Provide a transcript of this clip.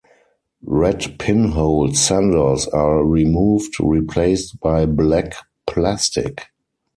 Red pin-holed sensors are removed, replaced by black plastic.